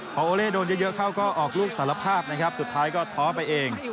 พอโอเลส์โดนเยอะเก่าก็ออกรูคศาลภาพสุดท้ายก็ท้อไปเอง